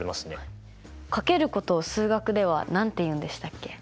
かけることを数学では何て言うんでしたっけ？